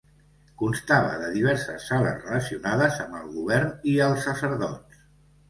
Constava de diverses sales relacionades amb el govern i els sacerdots.